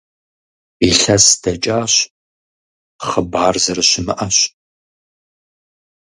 Илъэс дэкӀащ, хъыбар зэрыщымыӀэщ.